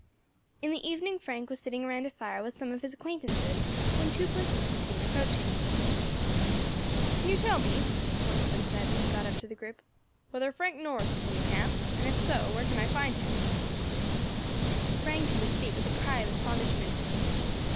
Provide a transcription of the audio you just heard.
In the evening Frank was sitting around a fire with some of his acquaintances, when two persons were seen approaching. "Can you tell me," one of them said, when he got up to the group, "whether Frank Norris is in the camp, and if so, where I can find him?" Frank sprang to his feet with a cry of astonishment.